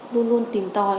luôn luôn tìm tòi